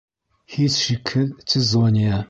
Һис шикһеҙ, Цезония!